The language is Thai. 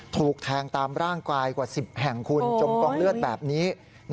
ถูกแทงตามร่างกายกว่า๑๐แห่งคุณจมกองเลือดแบบนี้